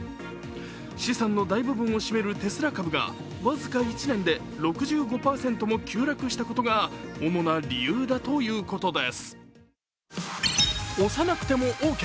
資産の大部分を占めるテスラ株が僅か１年で６５％も急落したことが主な理由だということです。